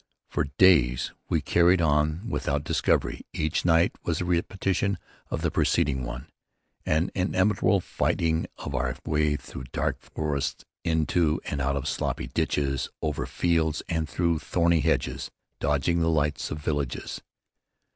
For days we carried on thus without discovery. Each night was a repetition of the preceding one, an interminable fighting of our way through dark forests, into and out of sloppy ditches, over fields and through thorny hedges, dodging the lights of villages.